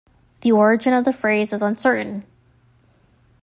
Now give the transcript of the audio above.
The origin of the phrase is uncertain.